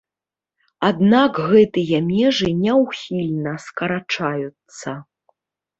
Аднак гэтыя межы няўхільна скарачаюцца.